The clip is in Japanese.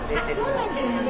そうなんですね。